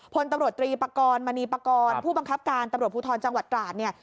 พลตำรวจตรีปากรมณีปากรผู้บังคับการตำรวจภูทรจังหวัดตราดเนี่ย